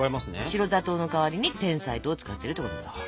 白砂糖の代わりにてんさい糖を使ってるということなんです。